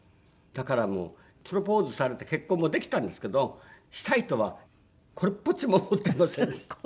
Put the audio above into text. だからもうプロポーズされて結婚もできたんですけどしたいとはこれっぽっちも思ってませんでした。